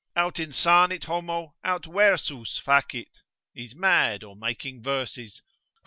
Aut insanit homo, aut versus facit (He's mad or making verses), Hor.